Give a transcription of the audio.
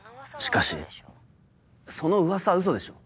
しかしその噂はウソでしょ？